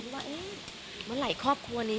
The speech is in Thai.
ว่าเอ๊ะเมื่อไหร่ครอบครัวนี้